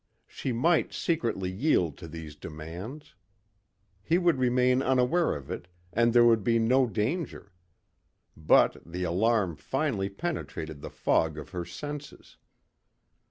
She might secretly yield to these demands. He would remain unaware of it and there would be no danger. But the alarm finally penetrated the fog of her senses.